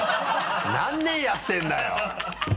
何年やってんだよ！